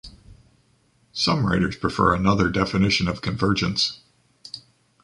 Some writers prefer another definition of convergence.